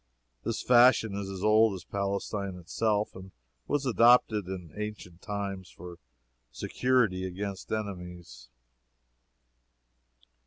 This fashion is as old as Palestine itself and was adopted in ancient times for security against enemies.